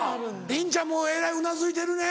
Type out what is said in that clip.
りんちゃんもえらいうなずいてるね。